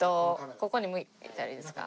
ここに向いたらいいですか？